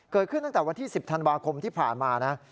เกิดขึ้นตั้งแต่วันที่๑๐ธันวาคมที่ผ่านมานะ